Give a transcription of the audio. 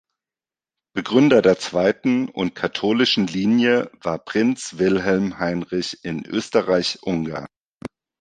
Begründer der zweiten und katholischen Linie war Prinz Wilhelm Heinrich in Österreich-Ungarn.